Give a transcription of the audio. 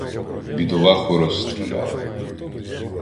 Бідолаху розстріляли.